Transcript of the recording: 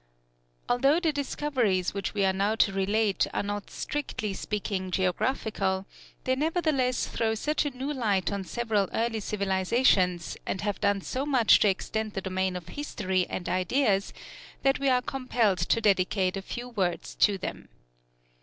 Although the discoveries which we are now to relate are not strictly speaking geographical, they nevertheless throw such a new light on several early civilizations, and have done so much to extend the domain of history and ideas, that we are compelled to dedicate a few words to them.